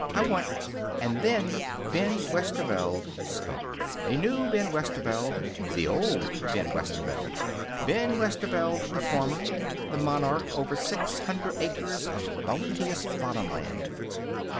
I want " And then Ben Westerveld spoke. A new Ben Westerveld the old Ben Westerveld. Ben Westerveld, the farmer, the monarch over six hundred acres of bounteous bottomland.